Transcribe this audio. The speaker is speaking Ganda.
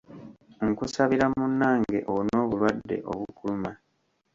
Nkusabira munnange owone obulwadde obukuluma.